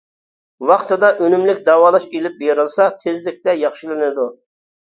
ۋاقتىدا ئۈنۈملۈك داۋالاش ئېلىپ بېرىلسا، تېزلىكتە ياخشىلىنىدۇ.